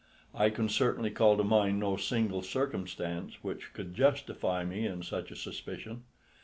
I can certainly call to mind no single circumstance which could justify me in such a suspicion.